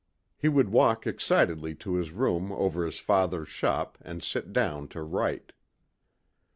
He would walk excitedly to his room over his father's shop and sit down to write.